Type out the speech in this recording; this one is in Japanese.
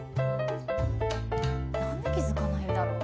何で気付かないんだろう？